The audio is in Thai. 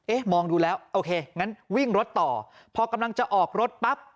มองดูแล้วโอเคงั้นวิ่งรถต่อพอกำลังจะออกรถปั๊บ